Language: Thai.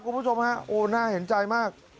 คุณผู้ชมฮะโอ้น่าเห็นใจมาก